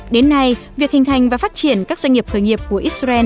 đến nay việc hình thành và phát triển các doanh nghiệp khởi nghiệp của israel